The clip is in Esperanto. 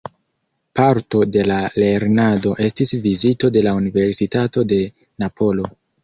Parto de la lernado estis vizito de la Universitato de Napolo.